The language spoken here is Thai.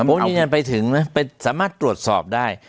ผมยืนยันไปถึงนะสามารถตรวจสอบได้